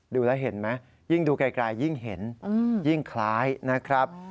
ดูแล้วเห็นไหมยิ่งดูไกลยิ่งเห็นยิ่งคล้ายนะครับ